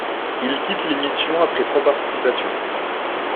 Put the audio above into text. Il quitte l'émission après trois participations.